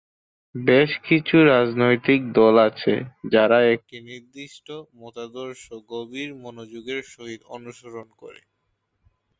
বেশ কিছু রাজনৈতিক দল আছে যারা একটি নির্দিষ্ট মতাদর্শ গভীর মনোযোগের সহিত অনুসরণ করে।